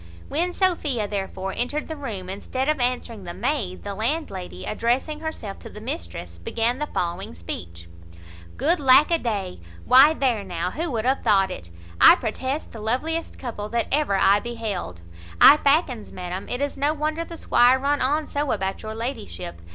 When Sophia therefore entered the room, instead of answering the maid, the landlady, addressing herself to the mistress, began the following speech: "Good lack a day! why there now, who would have thought it? I protest the loveliest couple that ever eye beheld. I fackins, madam, it is no wonder the squire run on so about your ladyship.